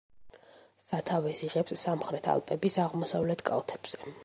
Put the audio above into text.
სათავეს იღებს სამხრეთ ალპების აღმოსავლეთ კალთებზე.